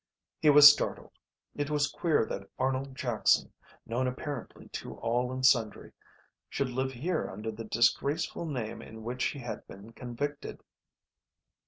He was startled. It was queer that Arnold Jackson, known apparently to all and sundry, should live here under the disgraceful name in which he had been convicted.